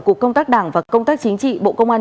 cục công tác đảng và công tác chính trị bộ công an